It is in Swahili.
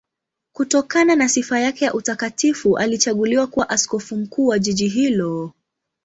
Kutokana na sifa yake ya utakatifu alichaguliwa kuwa askofu mkuu wa jiji hilo.